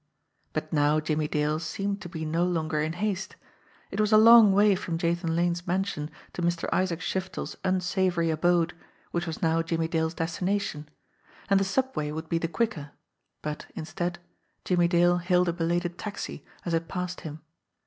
But now Jimmie Dale seemed to be no longer in haste. It was a long way from Jathan Lane's mansion to Mr. Isaac Shiftel's unsavory abode, which was now Jimmie THE GRAY SEAL 33 Dale's destination, and the subway would be the quicker, but, instead, Jimmie Dale hailed a belated taxi as it passed him.